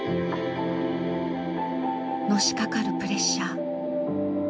のしかかるプレッシャー。